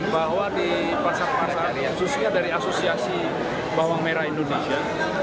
bahwa di pasar pasar khususnya dari asosiasi bawang merah indonesia